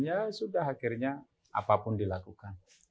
ya sudah akhirnya apapun dilakukan